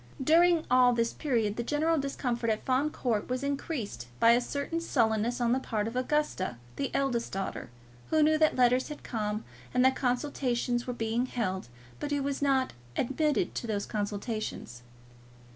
During all this period the general discomfort of Fawn Court was increased by a certain sullenness on the part of Augusta, the elder daughter, who knew that letters had come and that consultations were being held, but who was not admitted to those consultations.